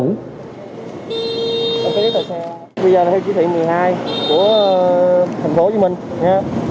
bây giờ là chí thị một mươi hai của thành phố hồ chí minh